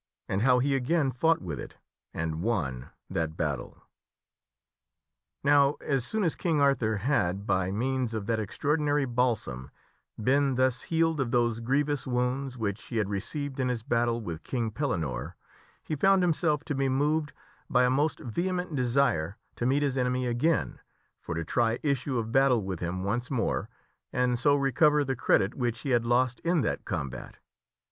And How He Again Fought With It and Won That Battle. NOW, as soon as King Arthur had, by means of that extraordi nary balsam, been thus healed of those grievous wounds which he had received in his battle with King Pellinore, he found himself to be moved by a most vehement desire to meet his enemy again for to try issue of battle with him once more, and so recover the credit which he had lost in that combat.